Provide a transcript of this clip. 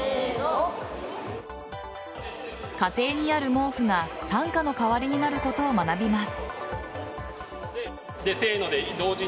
家庭にある毛布が担架の代わりになることを学びます。